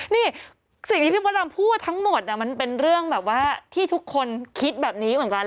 นี่สิ่งที่พี่มดดำพูดทั้งหมดมันเป็นเรื่องแบบว่าที่ทุกคนคิดแบบนี้เหมือนกัน